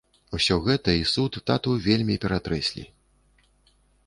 Усё гэта і суд тату вельмі ператрэслі.